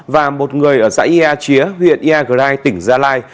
và một người ở dãi ea chía huyện ea grai tỉnh gia lai